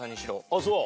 あっそう。